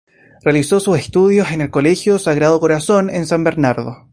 Realizó sus estudios en el Colegio Sagrado Corazón en San Bernardo.